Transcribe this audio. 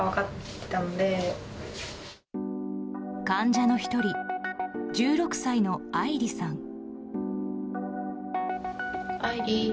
患者の１人１６歳の愛莉さん。